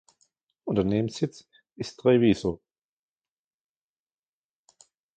Unternehmenssitz ist Treviso.